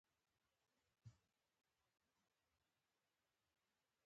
ایا مصنوعي ځیرکتیا د پوښتنې کولو جرئت نه کموي؟